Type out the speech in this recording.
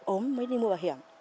ốm mới đi mua bảo hiểm